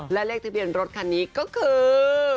และเลขทะเบียนรถคันนี้ก็คือ